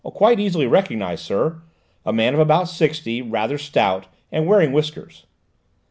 "Quite easily recognised, sir; a man of about sixty, rather stout, and wearing whiskers."